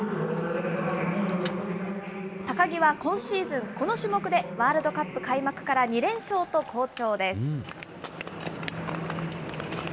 高木は今シーズン、この種目でワールドカップ開幕から２連勝と好調です。